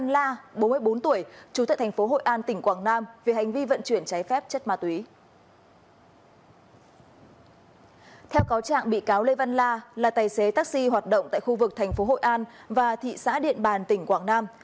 lê văn la là tài xế taxi hoạt động tại khu vực thành phố hội an và thị xã điện bàn tỉnh quảng nam